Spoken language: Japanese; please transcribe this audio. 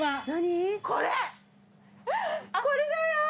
これだよ！